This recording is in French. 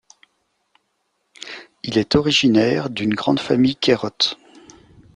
Il est originaire d’une grande famille cairote.